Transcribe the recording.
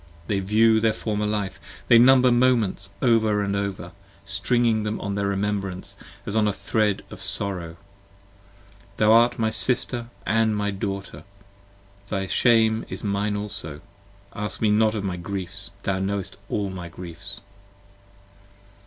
They view their former life: they number moments over and over: Stringing them on their remembrance as on a thread of sorrow. Thou art my sister and my daughter: thy shame is mine also: 20 Ask me not of my griefs! thou knowest all my griefs.